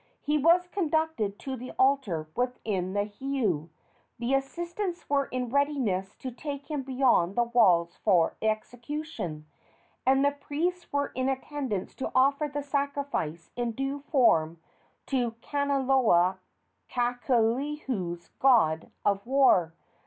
He was conducted to the altar within the heiau. The assistants were in readiness to take him beyond the walls for execution, and the priests were in attendance to offer the sacrifice in due form to Kanaloa kakulehu's god of war.